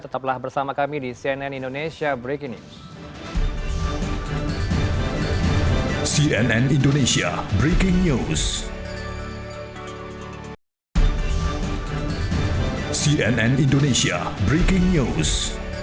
tetaplah bersama kami di cnn indonesia breaking news